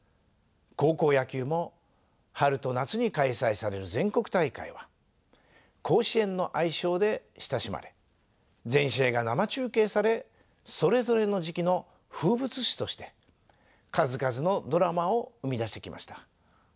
高校野球も春と夏に開催される全国大会は「甲子園」の愛称で親しまれ全試合が生中継されそれぞれの時期の風物詩として数々のドラマを生み出してきました。